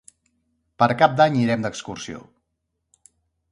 Per Cap d'Any irem d'excursió.